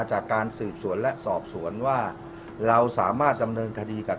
อ๋อขออนุญาตเป็นในเรื่องของการสอบสวนปากคำแพทย์ผู้ที่เกี่ยวข้องให้ชัดแจ้งอีกครั้งหนึ่งนะครับ